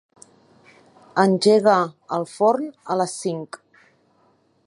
Engega el forn a les cinc.